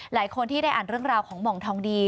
หลายคนที่ได้อ่านเรื่องราวของหม่องทองดี